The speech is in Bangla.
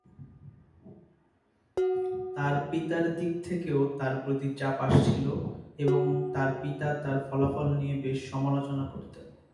তার পিতার দিক থেকেও তার প্রতি চাপ আসছিল এবং তার পিতা তার ফলাফল নিয়ে বেশ সমালোচনা করতেন।